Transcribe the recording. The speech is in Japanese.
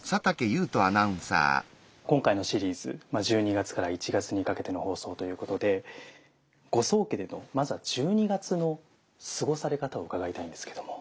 今回のシリーズ１２月から１月にかけての放送ということでご宗家でのまずは１２月の過ごされ方を伺いたいんですけども。